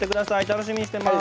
楽しみにしてます。